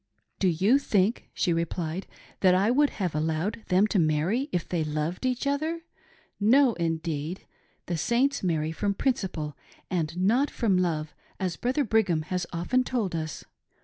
"Do you think," she replied, "that I would have allowed them to marry, if they loved each other .' No, indeed I The Saints marry from principle and not from love, as Brother Brigham has often told us.